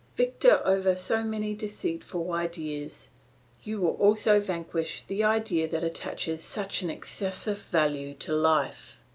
Victor over so many deceitful ideas, you will also vanquish the idea that attaches such an excessive value to life.